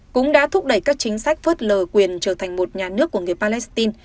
cũng đã thúc đẩy các chính sách phớt lờ quyền trở thành một nhà nước của người palestine